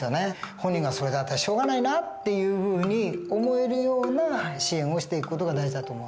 本人が「それだったらしょうがないな」っていうふうに思えるような支援をしていく事が大事だと思うんです。